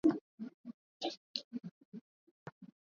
Mama anakula wali.